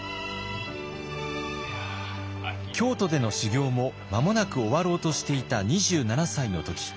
京都での修行も間もなく終わろうとしていた２７歳の時。